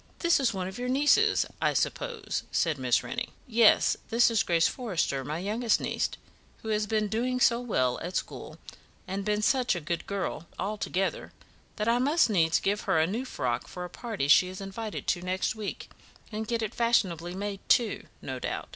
"This is one of your nieces, I suppose?" said Miss Rennie. "Yes, this is Grace Forrester, my youngest niece, who has been doing so well at school, and been such a good girl altogether, that I must needs give her a new frock for a party she is invited to next week, and get it fashionably made, too, no doubt."